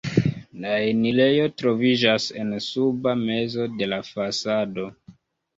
La enirejo troviĝas en suba mezo de la fasado.